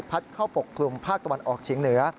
เข้าปกคลุมภาคตะวันออกเฉียงเหนือ